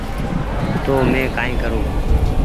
تونٚ مينٚ ڪآئي ڪرون